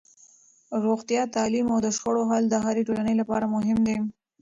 روغتیا، تعلیم او د شخړو حل د هرې ټولنې لپاره مهم دي.